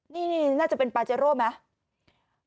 นี่น่าจะเป็นปาเจโร่ไหม